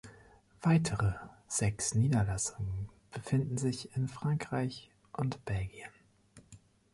Weitere sechs Niederlassungen befinden sich in Frankreich und Belgien.